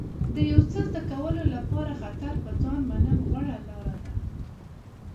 د یو څه زده کولو لپاره خطر په ځان منل غوره لاره ده.